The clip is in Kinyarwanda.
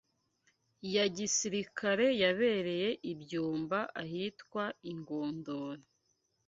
ya gisirikare yabereye i Byumba ahitwa i Ngondore